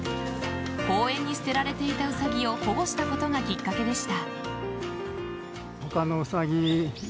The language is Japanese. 公園に捨てられていたウサギを保護したことがきっかけでした。